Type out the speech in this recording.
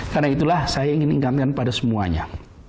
karena itulah saya ingin mengingatkan pada semuanya